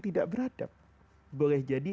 tidak beradab boleh jadi